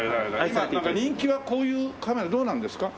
今人気はこういうカメラどうなんですか？